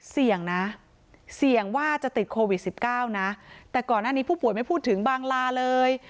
เสี่ยงนะเสี่ยงว่าจะติดโควิด๑๙นะแต่ก่อนหน้านี้ผู้ป่วยไม่พูดถึงบางลาเลย